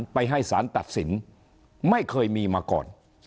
ไปให้สารตัดสินไม่เคยมีมาก่อน